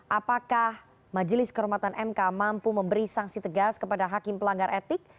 apakah majelis kehormatan mk mampu memberi sanksi tegas kepada hakim pelanggar etik